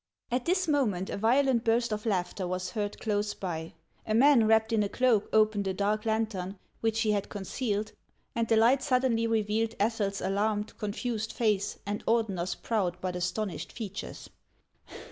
At this moment a violent burst of laughter was heard close by. A man wrapped in a cloak opened a dark lan tern which he had concealed, and the light suddenly re vealed Ethel's alarmed, confused face and Ordener's proud but astonished features.